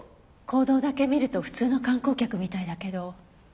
行動だけ見ると普通の観光客みたいだけど。